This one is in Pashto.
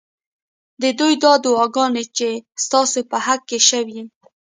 ددوی دا دعاګانې چې ستا سو په حق کي شوي